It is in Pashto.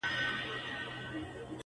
څڼور له ټولو څخه ورک دی,